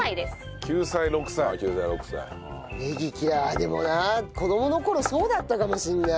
でもな子どもの頃そうだったかもしれない。